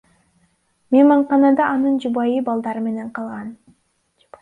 Мейманканада анын жубайы балдары менен калган.